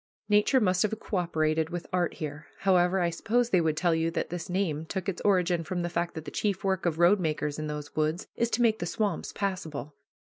Nature must have coöperated with art here. However, I suppose they would tell you that this name took its origin from the fact that the chief work of roadmakers in those woods is to make the swamps passable.